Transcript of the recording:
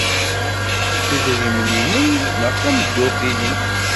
Idrimen-nnem neɣ tameddurt-nnem!